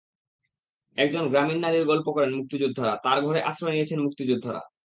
একজন গ্রামীণ নারীর গল্প করেন মুক্তিযোদ্ধারা, তাঁর ঘরে আশ্রয় নিয়েছেন মুক্তিযোদ্ধারা।